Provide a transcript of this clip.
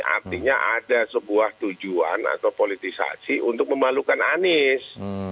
artinya ada sebuah tujuan atau politisasi untuk memalukan anies